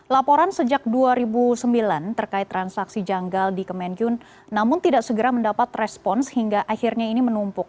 laporan sejak dua ribu sembilan terkait transaksi janggal di kemenkyun namun tidak segera mendapat respons hingga akhirnya ini menumpuk